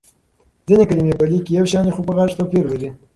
ځينې کلمې په ليک يو شان دي خو په غږ توپير لري.